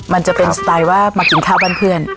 มันจะเป็นสไตล์ว่ามากินข้าวบ้านเพื่อน